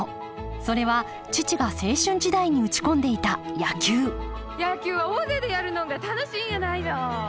それは父が青春時代に打ち込んでいた野球野球は大勢でやるのんが楽しいんやないの。